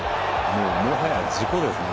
もうもはや事故ですね